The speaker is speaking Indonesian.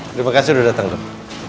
terima kasih udah dateng loh